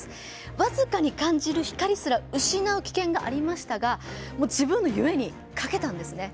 僅かに感じる光すら失う危険がありましたがもう自分の夢にかけたんですね。